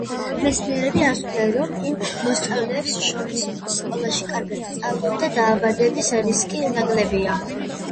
მეცნიერები ასკვნიან, რომ იმ მოსწავლეებს შორის, ვინც სკოლაში კარგად სწავლობდა, დაავადების რისკი ნაკლებია.